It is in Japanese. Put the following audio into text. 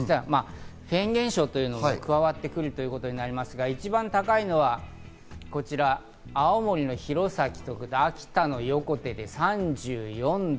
フェーン現象というのが加わってくるということになりますが、一番高いのはこちら青森の弘前、秋田の横手で３４度。